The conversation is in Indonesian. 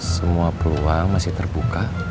semua peluang masih terbuka